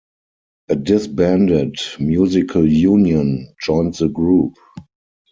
A disbanded Musical Union joined the group.